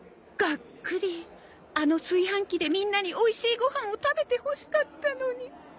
がっくりあの炊飯器でみんなにおいしいご飯を食べてほしかったのに。